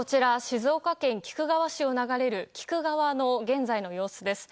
静岡県菊川市を流れる菊川の現在の様子です。